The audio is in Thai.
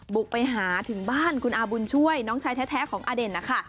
บุกไปหาถึงบ้านคุณอาบุญช่วยน้องชายแท้ของอเด่นนะคะ